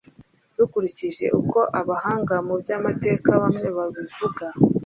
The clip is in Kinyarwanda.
dukurikije uko abahanga mu by’amateka bamwe babivuga